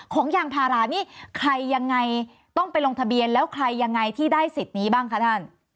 ยางพารานี่ใครยังไงต้องไปลงทะเบียนแล้วใครยังไงที่ได้สิทธิ์นี้บ้างคะท่าน